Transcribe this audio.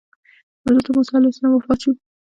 همدلته موسی علیه السلام وفات شو.